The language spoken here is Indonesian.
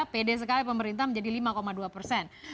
pede sekali pemerintah menjadi lima dua persen